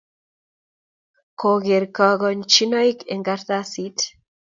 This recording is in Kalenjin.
Ko ger kakochinoik eng kartasit